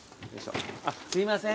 あっすいません